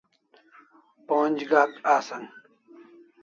Pon'j Gak asan